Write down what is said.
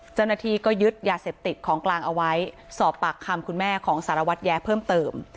เจ้าหน้าที่ก็ยึดยาเสพติดของกลางเอาไว้สอบปากคำคุณแม่ของสารวัตรแย้เพิ่มเติม